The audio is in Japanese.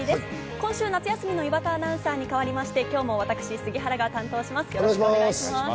今週夏休みの岩田アナウンサーに代わりまして、今日も私杉原が担当します。